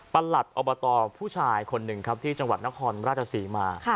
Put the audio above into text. หลัดอบตผู้ชายคนหนึ่งครับที่จังหวัดนครราชศรีมา